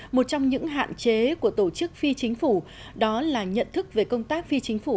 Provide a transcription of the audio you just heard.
một trong những hạn chế của tổ chức phi chính phủ đó là nhận thức về công tác phi chính phủ